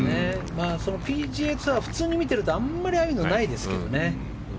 ＰＧＡツアーは普通に見てるとあまり、ああいうのはないですけどね。